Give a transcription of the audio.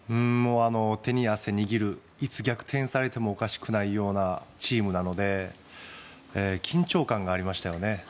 手に汗握るいつ逆転されてもおかしくないようなチームなので緊張感がありましたよね。